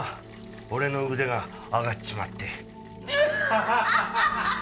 俺の腕が上がっちまって